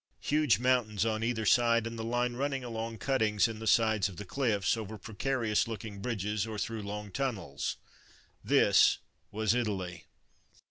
Huge mountains on either side, and the line run ning along cuttings in the sides of the cliffs, over precarious looking bridges, or through long tunnels. This was Italy!